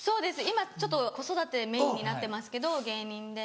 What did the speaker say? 今ちょっと子育てメインになってますけど芸人で。